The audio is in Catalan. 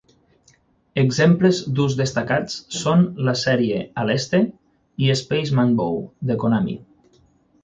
Exemples d'ús destacats són la sèrie Aleste i Space Manbow de Konami.